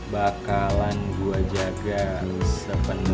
bakalan gua jaga sepenuh jiwa